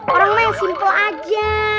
orangnya yang simple aja